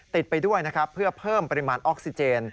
ติดไปด้วยเพื่อเพิ่มปริมาณออกซิเจน